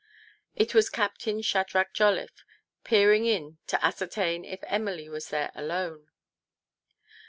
It was Captain Shadrach Jolliffe, peering in to ascertain if Ernily was there alone.